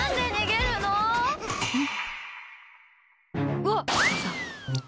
うわっ！